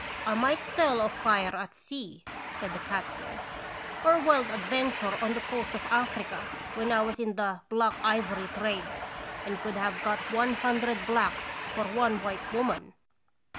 "I might tell of fire at sea," said the cap tain, "or wild adventure on the coast of Africa, when I was in the ' black ivory ' trade and could have got one hundred blacks for one white woman."